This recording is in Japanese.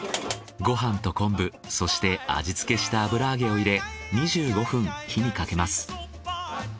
ご飯とコンブそして味付けした油揚げを入れ２５分火にかけます。